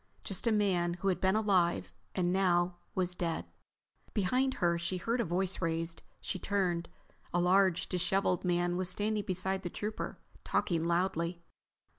Just a man who had been alive and now was dead. Behind her she heard a voice raised. She turned. A large, disheveled man was standing beside the Trooper, talking loudly.